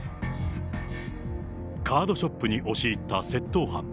カードショップに押し入った窃盗犯。